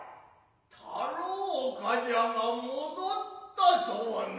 太郎冠者が戻つたさうな。